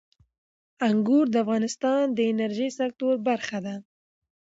انګور د افغانستان د انرژۍ سکتور برخه ده.